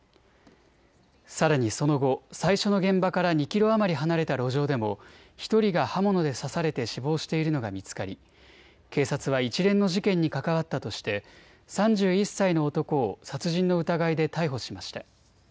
さらにその後、最初の現場から２キロ余り離れた路上でも１人が刃物で刺されて死亡しているのが見つかり警察は一連の事件に関わったとして３１歳の男を殺人の疑いで逮捕しました。